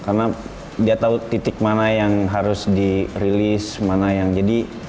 karena dia tahu titik mana yang harus dirilis mana yang jadi